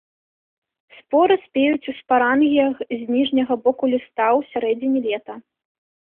Споры спеюць ў спарангіях з ніжняга боку ліста ў сярэдзіне лета.